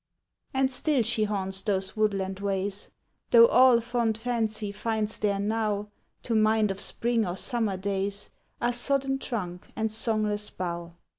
And still she haunts those woodland ways, Though all fond fancy finds there now To mind of spring or summer days, Are sodden trunk and songless bough.